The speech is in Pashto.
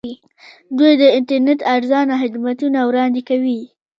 دوی د انټرنیټ ارزانه خدمتونه وړاندې کوي.